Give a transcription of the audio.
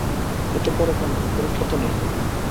এত পড়ো কেন, পরীক্ষা তো নেই?